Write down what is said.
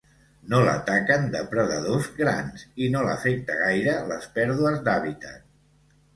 No l'ataquen depredadors grans i no l'afecta gaire les pèrdues d'hàbitat.